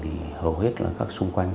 thì hầu hết là các xung quanh